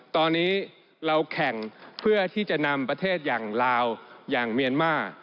ตอนนี้เราแข่งเพื่อที่จะนำประเทศที่เหมือนเมียนมาก